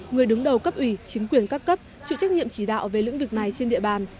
người đứng đầu cấp ủy chính quyền các cấp chịu trách nhiệm chỉ đạo về lĩnh vực này trên địa bàn